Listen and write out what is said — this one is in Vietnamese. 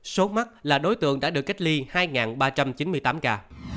số mắc là đối tượng đã được cách ly hai ba trăm chín mươi tám ca